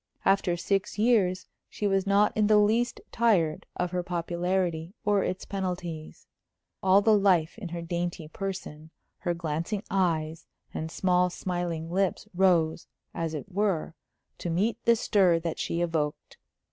After six years she was not in the least tired of her popularity or its penalties. All the life in her dainty person, her glancing eyes, and small, smiling lips rose, as it were, to meet the stir that she evoked.